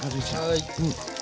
はい。